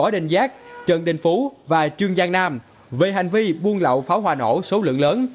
đình giác trần đình phú và trương giang nam về hành vi buôn lậu pháo hòa nổ số lượng lớn